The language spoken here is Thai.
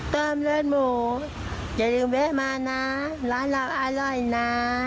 เติมเลือดหมูอย่าลืมแวะมานะร้านเราอร่อยนะ